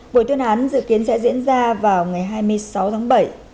buổi tuyên án dự kiến sẽ diễn ra vào ngày hai mươi sáu tháng bảy